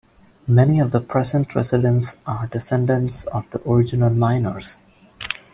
Many of the present residents are descendants of the original miners.